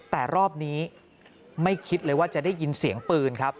แต่รอบนี้ไม่คิดเลยว่าจะได้ยินเสียงปืนครับ